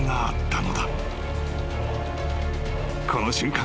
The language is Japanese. ［この瞬間